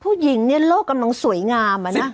ผู้หญิงนี้โลกกำลังสวยงาม